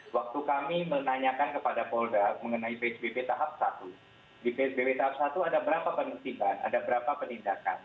waktu kami menanyakan kepada polda mengenai psbb tahap satu di psbb tahap satu ada berapa penertiban ada berapa penindakan